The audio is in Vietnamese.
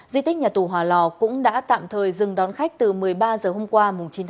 di tích nhà tù hòa lò cũng đã tạm thời dừng đón khách từ một mươi ba h hôm qua chín tháng chín